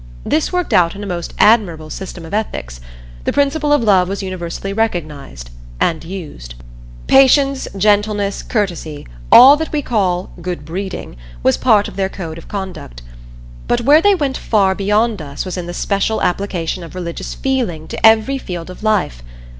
This worked out in a most admirable system of ethics. The principle of Love was universally recognized and used. Patience, gentleness, courtesy, all that we call "good breeding," was part of their code of conduct. But where they went far beyond us was in the special application of religious feeling to every field of life.